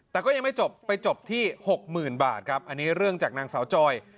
แต่ก็ยังไม่จบไปจบที่๖๐๐๐บาทครับอันนี้เรื่องจากนางสาวจอย